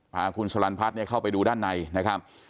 พาคุณสลันพัฒน์เข้าไปดูด้านในนะครับ